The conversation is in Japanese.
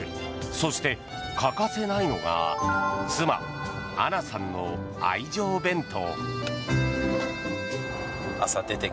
そして欠かせないのが妻・アナさんの愛情弁当。